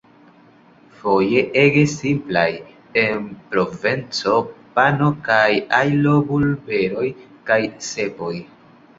Foje ege simplaj: en Provenco pano kaj ajlo-bulberoj kaj cepoj.